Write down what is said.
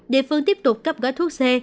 địa phương tiếp tục cấp gói thuốc c